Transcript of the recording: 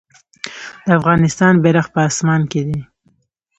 د افغانستان بیرغ په اسمان کې دی